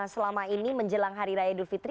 selama ini menjelang hari raya idul fitri